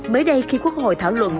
mới đây khi quốc hội thảo luận